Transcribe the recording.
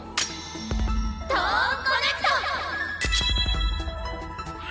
トーンコネクト！